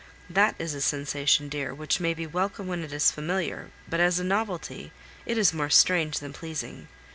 That is a sensation, dear, which may be welcome when it is familiar; but as a novelty, it is more strange than pleasing.